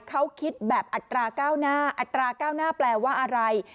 เขาคิดแบบอัตราก้าวหน้าอัตราก้าวหน้าแปลว่าอะไร